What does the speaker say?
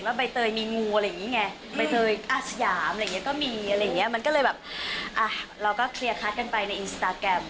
เราก็คลิอะคัตกันไปในไอนสตาแกรม